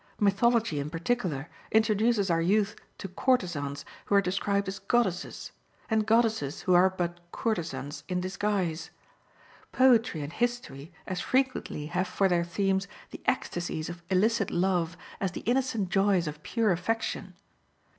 Mythology, in particular, introduces our youth to courtesans who are described as goddesses, and goddesses who are but courtesans in disguise. Poetry and history as frequently have for their themes the ecstasies of illicit love as the innocent joys of pure affection.